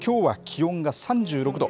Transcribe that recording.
きょうは気温が３６度。